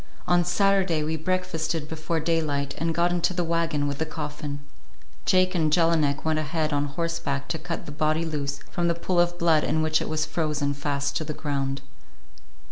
On Saturday we breakfasted before daylight and got into the wagon with the coffin. Jake and Jelinek went ahead on horseback to cut the body loose from the pool of blood in which it was frozen fast to the ground.